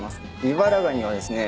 イバラガニはですね